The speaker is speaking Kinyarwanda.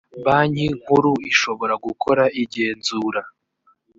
banki nkuru ishobora gukora igenzura